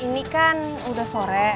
ini kan udah sore